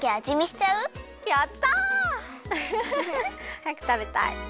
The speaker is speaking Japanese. はやくたべたい！